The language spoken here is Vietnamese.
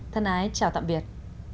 thân ái chào tạm biệt